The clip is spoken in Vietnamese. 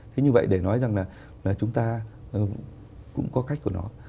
thế như vậy để nói rằng là chúng ta cũng có cách của nó